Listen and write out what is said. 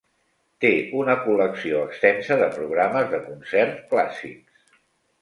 Té una col·lecció extensa de programes de concert clàssics.